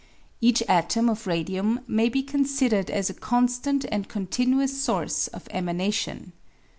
Each atom of radium may be considered as a constant and continuous source of emanation.